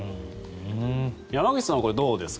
山口さんはどうですか？